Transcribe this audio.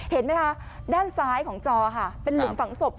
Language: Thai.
เห็นไหมคะด้านซ้ายของจอค่ะเป็นหลุมฝังศพ